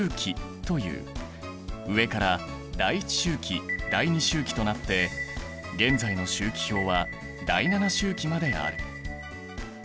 上から第１周期第２周期となって現在の周期表は第７周期まである。